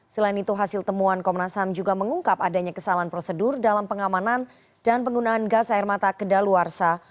selain itu hasil temuan komnas ham juga mengungkap adanya kesalahan prosedur dalam pengamanan dan penggunaan gas air mata kedaluarsa